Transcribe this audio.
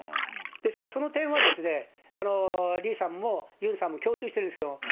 ですから、その点はイさんもユンさんも共通してるんですけど。